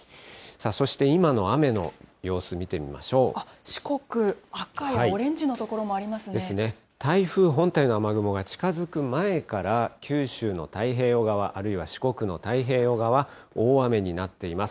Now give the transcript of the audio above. そして今の雨の様子、見てみまし四国、赤やオレンジの所もあですね、台風本体の雨雲が近づく前から九州の太平洋側、あるいは四国の太平洋側、大雨になっています。